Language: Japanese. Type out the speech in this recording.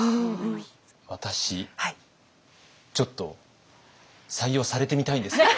私ちょっと採用されてみたいんですけど。